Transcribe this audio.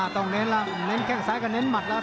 เน้นแล้วเน้นแข้งซ้ายก็เน้นหมัดแล้ว